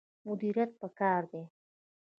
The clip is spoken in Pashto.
مدیریت پکار دی